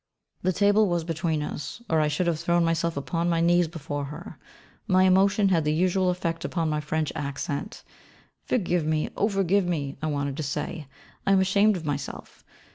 The table was between us, or I should have thrown myself upon my knees before her. My emotion had the usual effect upon my French accent. 'Forgive me, oh forgive me,' I wanted to say, 'I am ashamed of myself.'